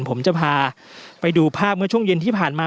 ผมจะพาไปดูภาพเมื่อช่วงเย็นที่ผ่านมา